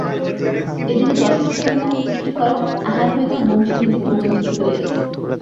এ দিকে যথেষ্ট পরিমাণে পুষ্টিকর আহার হইতেও বংশী নিজেকে বঞ্চিত করিয়াছে।